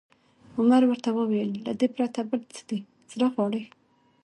عمر ورته وویل: له دې پرته، بل څه دې زړه غواړي؟